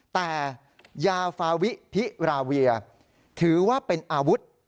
แต่ยาฟาวิพิราเวียถือว่าเป็นอาวุธ